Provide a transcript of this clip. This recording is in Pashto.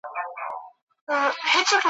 بس ښکارونه وه مېلې وې مهمانۍ وې `